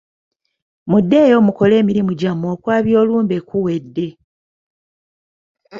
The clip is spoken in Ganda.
Muddeeyo mukole emirimu gyammwe okwabya olumbe kuwedde.